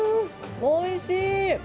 おいしい。